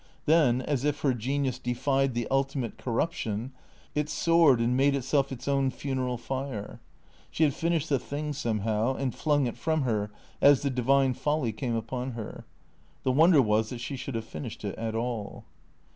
Then, as if her genius defied the ultimate corruption, it soared and made itself its own funeral fire. She had finished the thing somehow, and flung it from her as the divine folly came upon her. The wonder was that she should have finished it at all.